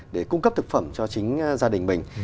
để cung cấp thực phẩm cho chính gia đình mình